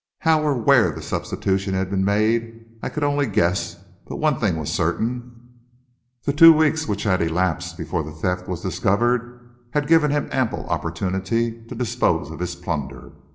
How or where the substitution had been made, I could only guess; but one thing was certain: the two weeks which had elapsed before the theft was discovered had given him ample opportunity to dispose of his plunder.